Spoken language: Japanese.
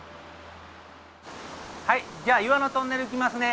はいじゃあ岩のトンネル行きますね。